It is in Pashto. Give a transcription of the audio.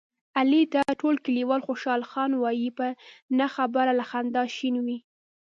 علي ته ټول کلیوال خوشحال خان وایي، په نه خبره له خندا شین وي.